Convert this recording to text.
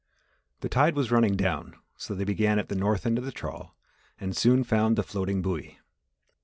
The tide was running down so they began at the north end of the trawl and soon found the floating buoy.